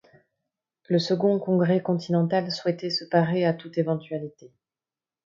Le Second Congrès continental souhaitait se parer à toute éventualité.